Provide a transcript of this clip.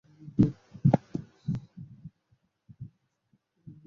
তবে অনেক সময় সরকারি গুদামের ভিন্নতা ওপর চালের মান নির্ভর করে।